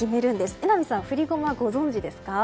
榎並さん、振り駒ご存じですか？